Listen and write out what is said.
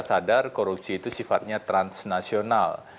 sadar korupsi itu sifatnya transnasional